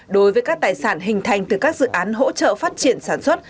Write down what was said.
đối với các tài sản hình thành từ các dự án hỗ trợ phát triển sản xuất